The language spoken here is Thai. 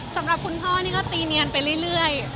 สำหรับคุณพ่อนี่ก็ตีเนียนไปเรื่อย